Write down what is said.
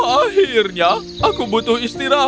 akhirnya aku butuh istirahat